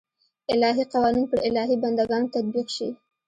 الهي قوانین پر الهي بنده ګانو تطبیق شي.